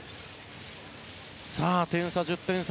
点差は１０点差。